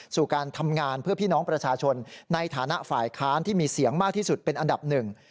การทำงานเพื่อพี่น้องประชาชนในฐานะฝ่ายค้านที่มีเสียงมากที่สุดเป็นอันดับหนึ่ง